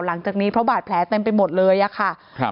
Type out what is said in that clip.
หลังจากนี้เพราะบาดแผลเต็มไปหมดเลยอะค่ะครับ